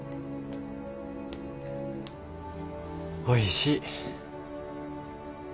おいしい。